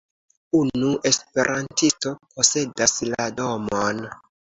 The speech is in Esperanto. Unu esperantisto posedas la domon.